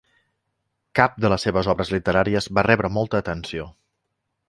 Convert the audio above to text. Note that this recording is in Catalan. Cap de les seves obres literàries va rebre molta atenció.